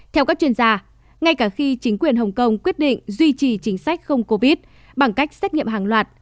theo các chuyên gia ngay cả khi chính quyền hồng kông quyết định duy trì chính sách không covid bằng cách xét nghiệm hàng loạt